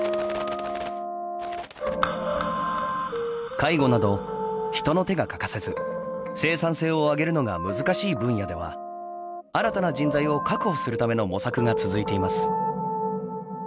介護など人の手が欠かせず生産性を上げるのが難しい分野では新たな人材を確保するための模索が続いています。